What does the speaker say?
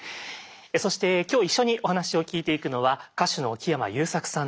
そして今日一緒にお話を聞いていくのは歌手の木山裕策さんです。